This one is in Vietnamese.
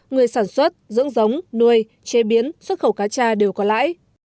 người sản xuất dưỡng giống nuôi chế biến xuất khẩu cá cha đều có lãi